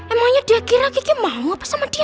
emangnya dia kira kiki mau apa sama dia